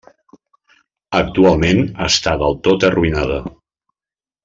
Actualment està del tot arruïnada.